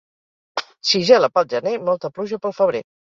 Si gela pel gener, molta pluja pel febrer.